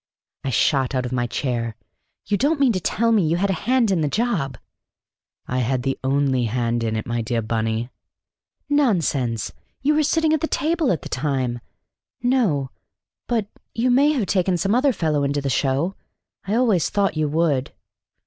I shot out of my chair. "You don't mean to tell me you had a hand in the job?" "I had the only hand in it, my dear Bunny." "Nonsense! You were sitting at table at the time. No, but you may have taken some other fellow into the show. I always thought you would!"